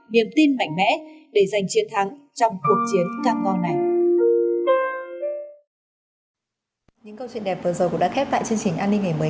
niềm tin mạnh mẽ để giành chiến thắng trong cuộc chiến cam ngon này